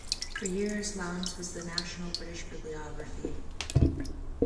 For years Lowndes was the national British bibliography.